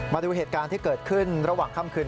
มาดูเหตุการณ์ที่เกิดขึ้นระหว่างค่ำคืน